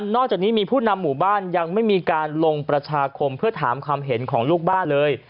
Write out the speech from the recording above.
นอกจากนี้มีผู้นำหมู่บ้านยังไม่มีการลงประชาคมเพื่อถามความเห็นของลูกบ้านเลย